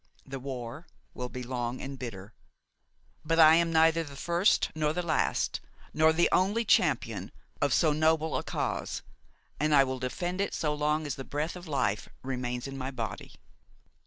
The war will be long and bitter; but I am neither the first nor the last nor the only champion of so noble a cause, and I will defend it so long as the breath of life remains in my body.